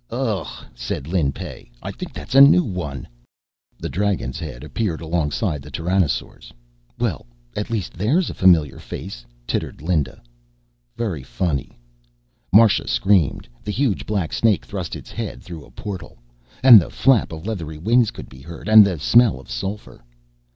"Ugh!" said Lin Pey. "I think that's a new one." The dragon's head appeared alongside the Tyrannosaur's. "Well, at least there's a familiar face," tittered Linda. "Very funny." Marsha screamed. The huge black snake thrust its head through a portal. And the flap of leathery wings could be heard. And the smell of sulphur.